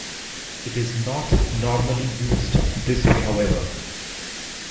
It is not normally used this way however.